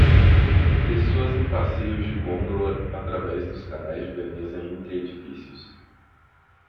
Pessoas em passeios de gôndola através dos canais de Veneza entre edifícios.